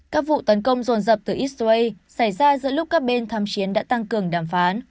các vụ tấn công rồn rập từ israel xảy ra giữa lúc các bên tham chiến đã tăng cường đàm phán